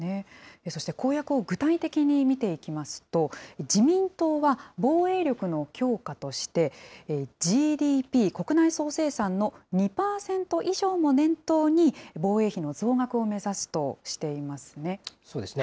そして公約を具体的に見ていきますと、自民党は、防衛力の強化として、ＧＤＰ・国内総生産の２％以上も念頭に、防衛費の増額を目指すとしていますね。